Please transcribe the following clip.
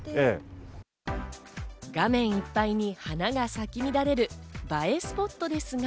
画面いっぱいに花が咲き乱れる映えスポットですが。